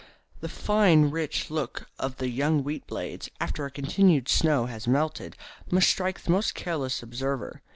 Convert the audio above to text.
The fine rich look of the young wheat blades, after a continued snow has melted, must strike the most careless observer.